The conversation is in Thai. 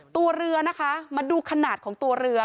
ตัวเรือนะคะมาดูขนาดของตัวเรือ